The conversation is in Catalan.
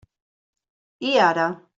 I ara?